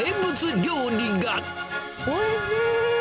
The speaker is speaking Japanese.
おいしい！